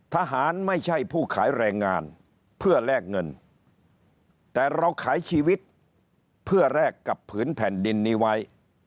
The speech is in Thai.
ไม่ใช่ผู้ขายแรงงานเพื่อแลกเงินแต่เราขายชีวิตเพื่อแลกกับผืนแผ่นดินนี้ไว้